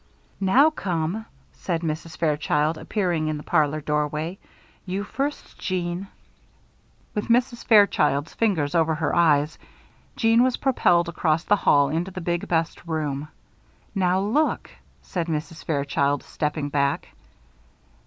"Now come," said Mrs. Fairchild, appearing in the parlor doorway. "You first, Jeanne." With Mrs. Fairchild's fingers over her eyes, Jeanne was propelled across the hall into the big, best room. "Now look!" said Mrs. Fairchild, stepping back.